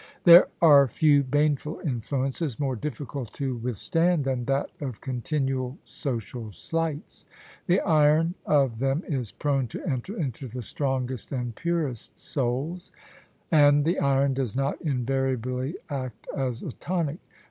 There are few baneful influences more difficult to with stand than that of continual social slights. The iron of them IS prone to enter into the strongest and purest souls: „ad the iron does not invariably act as a tonic.